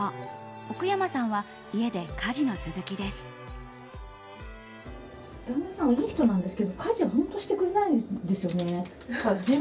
奥山さんは家で家事の続きです。